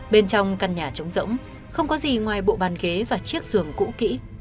bên trong căn nhà chống rỗng không có gì ngoài bộ bàn ghế và chiếc giường cũ kỹ